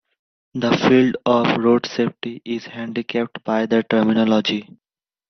The field of Road safety is handicapped by the terminology.